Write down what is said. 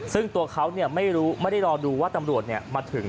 ซึ่งตัวเขาเนี่ยไม่รู้ไม่ได้รอดูว่าตำรวจเนี่ย